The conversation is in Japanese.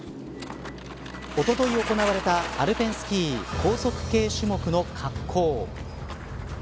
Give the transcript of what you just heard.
おととい行われたアルペンスキー高速系種目の滑降。